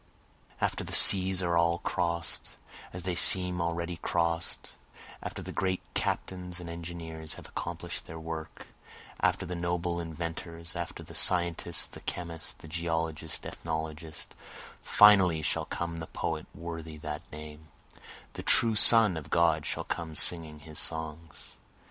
After the seas are all cross'd, (as they seem already cross'd,) After the great captains and engineers have accomplish'd their work, After the noble inventors, after the scientists, the chemist, the geologist, ethnologist, Finally shall come the poet worthy that name, The true son of God shall come singing his songs.